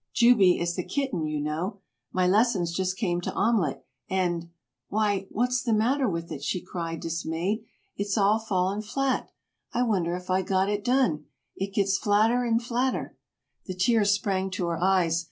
Jubey is the kitten, you know. My lessons just came to Omelet, and why, what's the matter with it?" she cried, dismayed. "It's all fallen flat! I wonder if I got it done. It gets flatter and flatter." The tears sprang to her eyes.